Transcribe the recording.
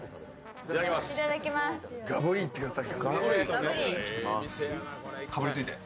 ガブリといってください。